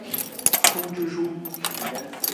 通知书。